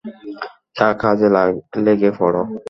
যা কাজে লেগে পড়।